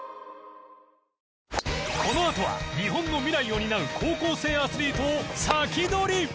このあとは日本の未来を担う高校生アスリートをサキドリ！